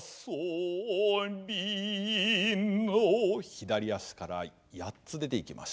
左足から８つ出ていきましょう。